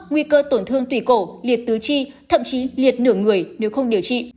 nguy cơ tổn thương tủy cổ liệt tứ chi thậm chí liệt nửa người nếu không điều trị